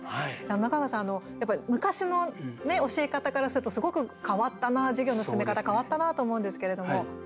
中川さん昔のね教え方からするとすごく変わったな、授業の進め方変わったなと思うんですけれども。